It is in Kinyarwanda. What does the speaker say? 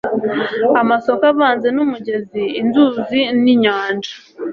amasoko avanze n'umugezi inzuzi n'inyanja